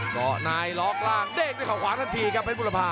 เกาะในล็อกล่างเด้งด้วยเขาขวาทันทีครับเพชรบุรพา